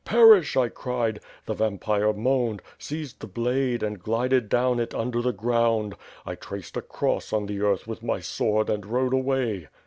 Perish! I cried. The Vampire moaned, seized the blade, and glided down it under the ground. I traced a cross on the earth with my sword and rode away."